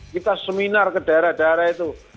kita seminar ke daerah daerah itu